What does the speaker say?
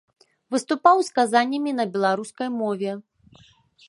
Выступаў з казаннямі на беларускай мове.